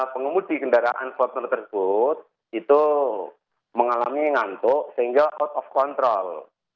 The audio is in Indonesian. pengemudi kendaraan voter tersebut itu mengalami ngantuk sehingga out of control